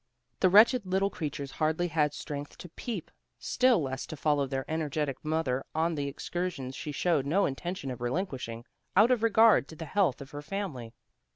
The wretched little creatures hardly had strength to peep, still less to follow their energetic mother on the excursions she showed no intention of relinquishing, out of regard to the health of her family.